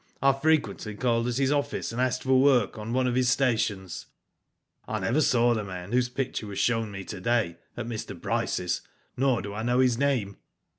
I frequently called at hi§ office, and asked for work, on one of his stations. I never saw the man whose picture was shown me to day at Mr. Bryce^s, nor do I know his name.